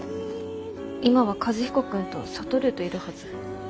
今は和彦君と智といるはず。